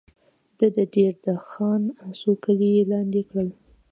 د دیر د خان څو کلي یې لاندې کړل.